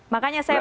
makanya saya beri